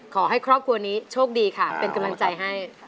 ขอให้ครอบครัวนี้โชคดีค่ะเป็นกำลังใจให้